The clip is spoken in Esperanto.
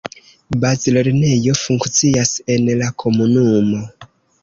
Bazlernejo funkcias en la komunumo.